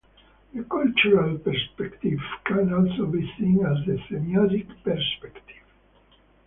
The cultural perspective can also be seen as the semiotic perspective.